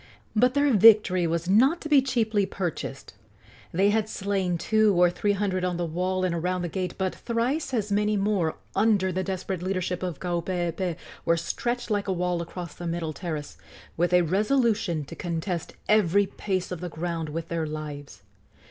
But their victory was not to be cheaply purchased. They had slain two or three hundred on the wall and around the gate, but thrice as many more, under the desperate leadership of Kaupeepee, were stretched like a wall across the middle terrace, with a resolution to contest every pace of the ground with their lives.